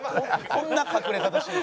こんな隠れ方してる？